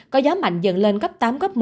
có gió mạnh dần lên cấp tám một mươi